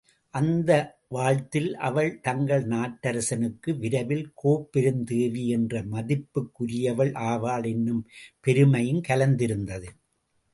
அந்த வாழ்த்தில் அவள் தங்கள் நாட்டரசனுக்கு விரைவில் கோப்பெருந்தேவி என்ற மதிப்புக்குரியவள் ஆவாள் என்னும் பெருமையும் கலந்திருந்தது.